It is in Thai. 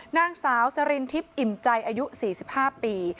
นางสาวสรินทิพย์อิ่มใจอายุ๔๕ปี